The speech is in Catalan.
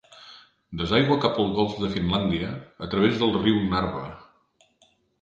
Desaigua cap al golf de Finlàndia a través del riu Narva.